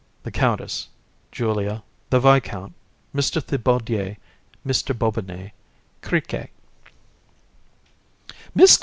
THE COUNTESS, JULIA, THE VISCOUNT, MR. THIBAUDIER, MR. BOBINET, CRIQUET.